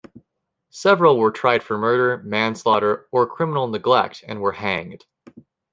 Several were tried for murder, manslaughter, or criminal neglect and were hanged.